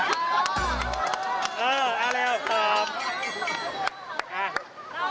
เออเอาแล้ว